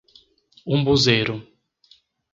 Umbuzeiro